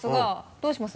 どうします？